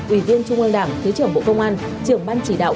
ủy viên trung ương đảng thứ trưởng bộ công an trưởng ban chỉ đạo